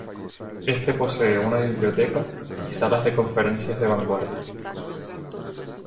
Este posee una biblioteca, y salas de conferencias de vanguardia.